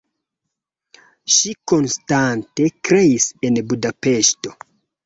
Ŝi konstante kreis en Budapeŝto.